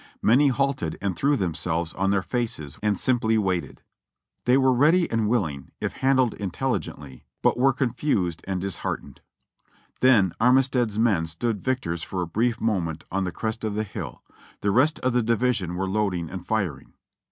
Many halted and threw themselves on their faces and simply waited. They were ready and willing, if handled intelligently, but were confused and disheartened. Then Armistead's men stood victors for a brief moment on the crest of the hill, the rest of the division were loading and firing.